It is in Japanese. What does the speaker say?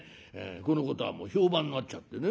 このことはもう評判になっちゃってね